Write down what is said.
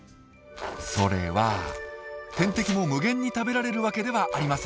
それは天敵も無限に食べられるわけではありません。